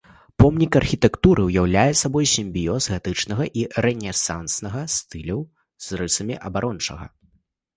Помнік архітэктуры ўяўляе сабой сімбіёз гатычнага і рэнесанснага стыляў з рысамі абарончага дойлідства.